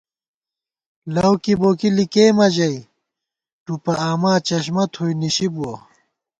لؤ کِبوکی لِکېمہ ژَئی ، ٹُپہ آما چشمہ تھوئی نِشِی بُوَہ